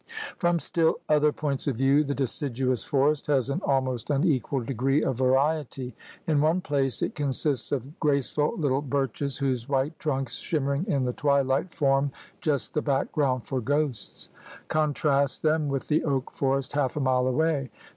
From still other points of view the deciduous forest has an almost unequaled degree of variety. 98 THE RED MAN'S CONTINENT In one place it consists of graceful little birches whose white trunks shimmering in the twilight form just the background for ghosts. Contrast them with the oak forest half a mile away.